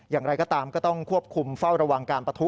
อย่างไรก็ตามก็ต้องควบคุมเฝ้าระวังการปะทุ